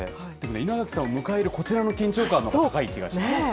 稲垣さん迎えるこちらの緊張感のほうが高い気がします。